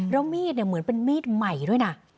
แล้วมีดเนี่ยเหมือนเป็นมีดใหม่ด้วยนะ